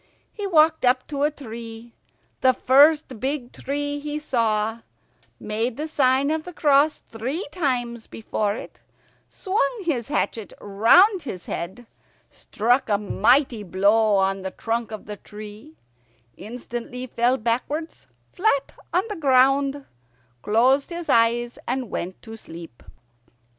He walked up to a tree, the first big tree he saw, made the sign of the cross three times before it, swung his hatchet round his head, struck a mighty blow on the trunk of the tree, instantly fell backwards flat on the ground, closed his eyes, and went to sleep.